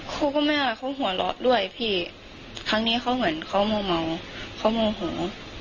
เขาก็ไม่ว่าเขาหัวเราะด้วยพี่ครั้งนี้เขาเหมือนเขาโมเมาเขาโมโห